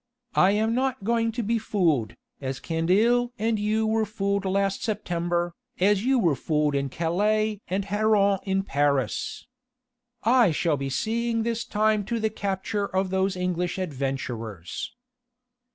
I am not going to be fooled, as Candeille and you were fooled last September, as you were fooled in Calais and Héron in Paris. I shall be seeing this time to the capture of those English adventurers."